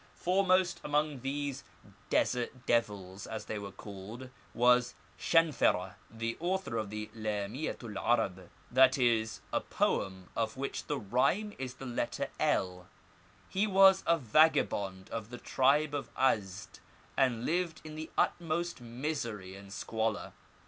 Foremost among these ^Desert devils,^ as they were called, was Shanfara, the author of the Lamiyet el Arab, that is, a poem of which the rhyme is the letter L He was a vagabond of the tribe of Azd, and lived in the utmost misery and squalor.